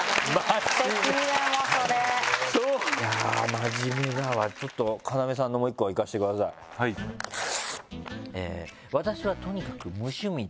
真面目だわちょっと要さんのもう１個いかせてください。ハハハハ！